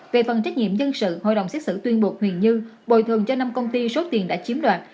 về phần trách nhiệm dân sự hội đồng xét xử tuyên buộc huỳnh như bồi thường cho năm công ty số tiền đã chiếm đoạt